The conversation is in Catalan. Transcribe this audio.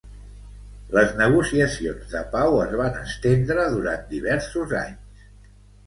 Les negociacions de pau es van estendre durant diversos anys.